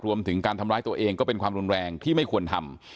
รวมถึงการทำร้ายตัวเองก็เป็นความรุนแรงที่ไม่ควรทำ